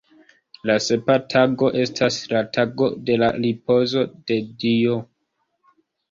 La sepa tago estas la tago de la ripozo de Dio.